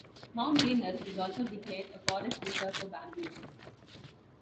Mount Girnar is also declared a forest reserve for Bamboos.